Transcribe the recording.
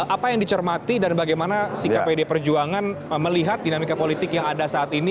apa yang dicermati dan bagaimana sikap pdi perjuangan melihat dinamika politik yang ada saat ini